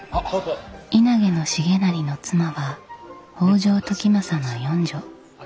稲毛重成の妻は北条時政の四女。